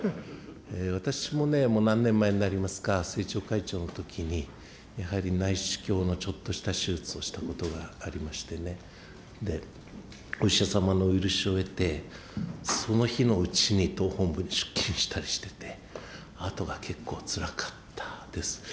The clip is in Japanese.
私もね、もう何年も前になりますか、政調会長のときに、やはり内視鏡のちょっとした手術をしたことがありましてね、お医者様のお許しを得て、その日のうちに党本部に出勤したりしてて、あとが結構つらかったです。